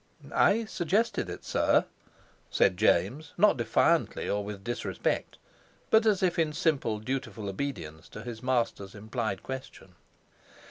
"I suggested it, sir," said James, not defiantly or with disrespect, but as if in simple dutiful obedience to his master's implied question.